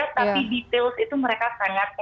tapi detail itu mereka sangat